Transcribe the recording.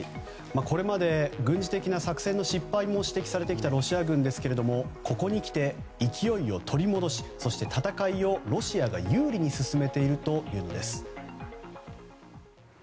これまで軍事的な作戦の失敗も指摘されてきたロシア軍ですけれどもここにきて勢いを取り戻しそして、戦いをロシアが有利に進めているというんです。